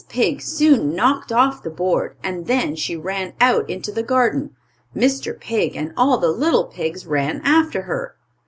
Pig soon knocked off the board, and then she ran out into the garden, Mr. Pig and all the little pigs ran after her.